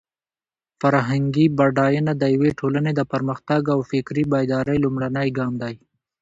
فرهنګي بډاینه د یوې ټولنې د پرمختګ او د فکري بیدارۍ لومړنی ګام دی.